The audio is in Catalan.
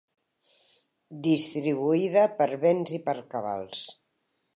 Distribuïda per béns i per cabals.